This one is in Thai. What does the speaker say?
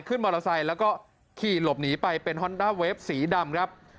ขึ้นบริษัทแล้วก็ขี่หลบหนีไปเป็นฮอนดาเวฟสีดำครับ